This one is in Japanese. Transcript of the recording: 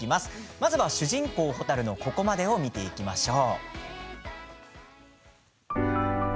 まずは主人公ほたるのここまでを見ていきましょう。